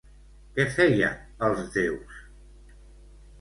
Què feien els déus?